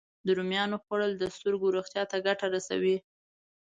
د رومیانو خوړل د سترګو روغتیا ته ګټه رسوي